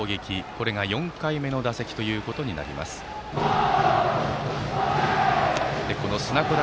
これが４回目の打席となります砂子田。